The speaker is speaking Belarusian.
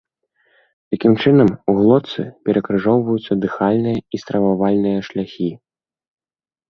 Такім чынам, у глотцы перакрыжоўваюцца дыхальныя і стрававальныя шляхі.